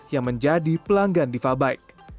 yang menjadi pelanggan diva bike